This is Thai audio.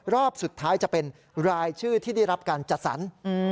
รอบสุดท้ายจะเป็นรายชื่อที่ได้รับการจัดสรร